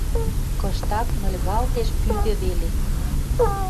Кыштак мыльгалтеш пӱгӹ веле.